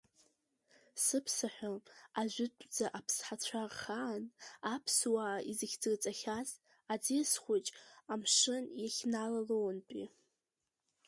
Сыԥса ҳәа ажәытәӡа аԥсҳацәа рхаан аԥсуаа изыхьӡырҵахьаз аӡиас хәыҷы амшын иахьналалоунтәи.